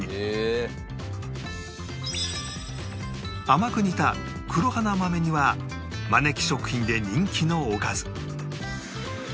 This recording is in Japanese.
甘く煮た黒花豆煮はまねき食品で人気のおかず